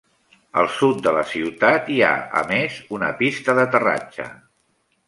Al sud de la ciutat hi ha, a més, una pista d'aterratge.